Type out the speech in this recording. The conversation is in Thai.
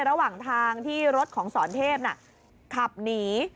ระหว่างทางที่รถของสอนเทพขับหนี